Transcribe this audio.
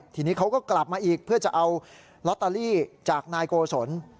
ทีนี้เขาก็กลับมาอีกเพื่อจะเอาลอตเตอรี่จากนายโกศล